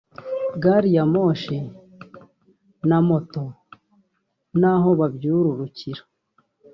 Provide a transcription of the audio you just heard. gari ya moshi n’amato n’aho babyururukira